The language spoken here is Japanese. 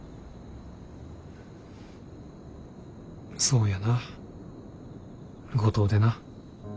そうやな五島でな。